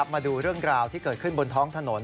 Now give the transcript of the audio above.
มาดูเรื่องราวที่เกิดขึ้นบนท้องถนน